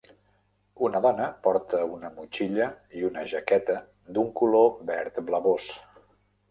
Una dona porta una motxilla i una jaqueta d'un color verd blavós.